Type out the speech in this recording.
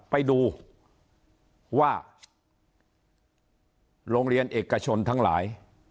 ไปดูว่าโรงเรียนเอกชนทั้งหลาย